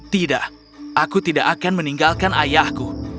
tidak aku tidak akan meninggalkan ayahku